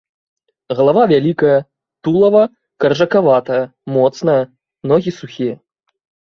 Галава вялікая, тулава каржакаватае, моцнае, ногі сухія.